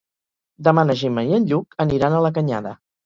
Demà na Gemma i en Lluc aniran a la Canyada.